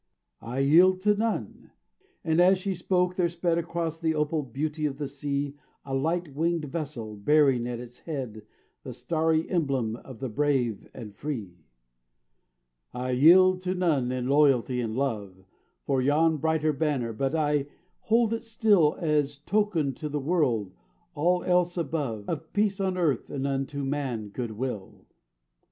"I yield to none" and as she spoke there sped Across the opal beauty of the sea A light winged vessel, bearing at its head The starry emblem of the brave and free "I yield to none in loyalty and love For yon bright banner, but I hold it still As token to the world, all else above, Of peace on earth and unto man good will.